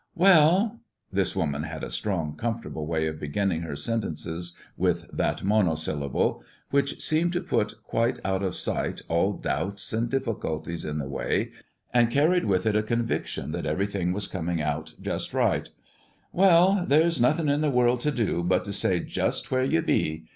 "Well," this woman had a strong, comfortable way of beginning her sentences with that monosyllable, which seemed to put quite out of sight all doubts and difficulties in the way, and carried with it a conviction that everything was coming out just right, "well, there's nothing in the world to do but to stay just where you be.